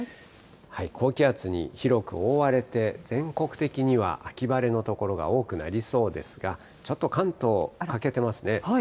高気圧に広く覆われて、全国的には秋晴れの所が多くなりそうですが、ちょっと関東、欠けてますね。